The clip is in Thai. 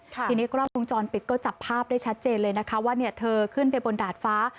ทีนี้กล้องวงจรปิดก็จับภาพได้ชัดเจนเลยนะคะว่าเธอขึ้นไปบนดาดฟ้า